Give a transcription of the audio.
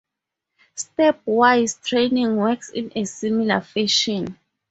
Step-wise training works in a similar fashion.